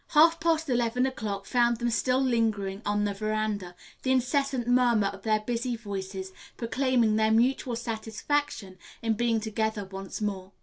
Half past eleven o'clock found them still lingering on the veranda, the incessant murmur of their busy voices proclaiming their mutual satisfaction in being together once more.